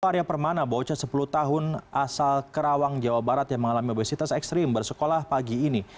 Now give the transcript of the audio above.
arya permana bocah sepuluh tahun asal kerawang jawa barat yang mengalami obesitas ekstrim bersekolah pagi ini